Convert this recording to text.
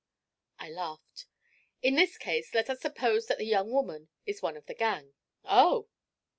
I laughed. 'In this case let us suppose that the young woman is one of the gang.' 'Oh!'